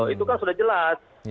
itu kan sudah jelas